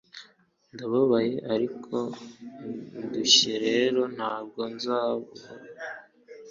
ndababaye ariko ndushye rero ntabwo nzaboroga